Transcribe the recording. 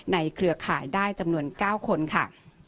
เครือข่ายได้จำนวน๙คนค่ะ